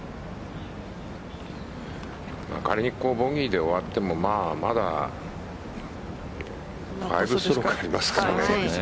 仮にボギーで終わってもまだ５ストロークありますから。